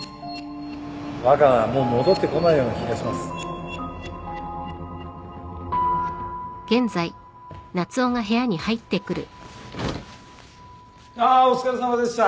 若菜はもう戻ってこないような気がします・あお疲れさまでした。